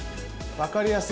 分かりやすい。